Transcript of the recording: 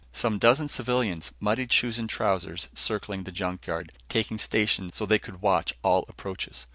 Some dozen civilians muddied shoes and trousers circling the junk yard, taking stations so they could watch all approaches.